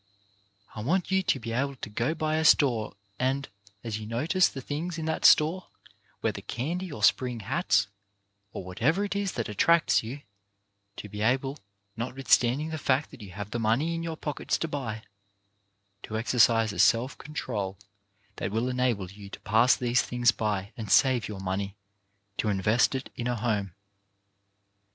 " I want you to be able to go by a store and, as you no 272 CHARACTER BUILDING tice the things in that store — whether candy or spring hats, or whatever it is that at tracts you — to be able, notwithstanding the fact that you have the money in your pockets to buy, to exercise a self control that will en able you to pass these things by and save your money to invest it in a home.